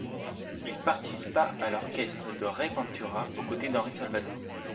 Il participa à l'orchestre de Ray Ventura au côté d'Henri Salvador.